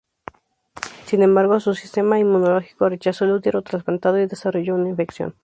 Sin embargo, su sistema inmunológico rechazó el útero trasplantado y desarrolló una infección.